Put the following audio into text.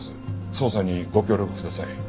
捜査にご協力ください。